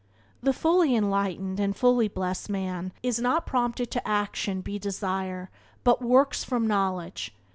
The fully enlightened and fully blessed man is not prompted to action be desire but works from knowledge.